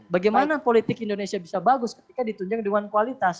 bagaimana politik indonesia bisa bagus ketika ditunjang dengan kualitas